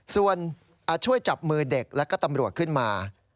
ส่วนช่วยจับมือเด็กและก็ตำรวจขึ้นมา